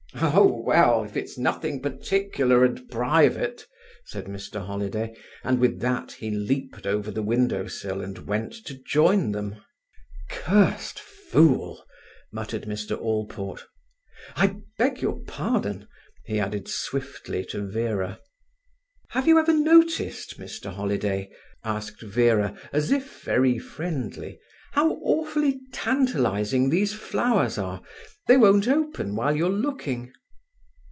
"Oh, well, if it's nothing particular and private—" said Mr Holiday, and with that he leaped over the window sill and went to join them. "Curst fool!" muttered Mr Allport. "I beg your pardon," he added swiftly to Vera. "Have you ever noticed, Mr Holiday," asked Vera, as if very friendly, "how awfully tantalizing these flowers are? They won't open while you're looking."